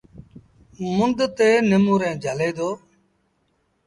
مند تي نموريٚݩ جھلي دو۔